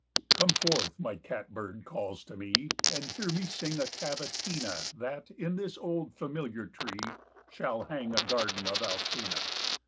"Come forth!" my catbird calls to me, "And hear me sing a cavatina That, in this old familiar tree, Shall hang a garden of Alcina.